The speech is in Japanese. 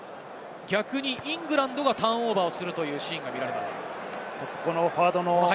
逆にイングランドはターンオーバーをするシーンが見えます。